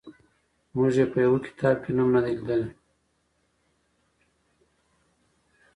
موږ یې په یوه کتاب کې نوم نه دی لیدلی.